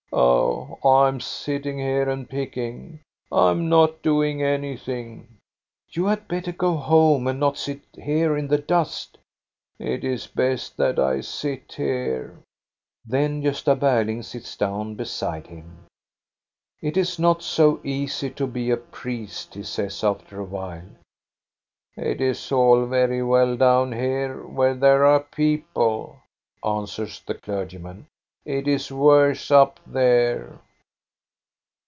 "Oh, I am sitting here and picking. I am not doing anything." " You had better go home, and not sit here in the dust." ^" It is best that I sit here." Then Gosta Berling sits down beside him. " It is not so easy to be a priest," he says after a while. 38o THE STORY OF GOSTA BE RUNG " It is all very well down here where there are people," answers the clergyman. "It is worse up there."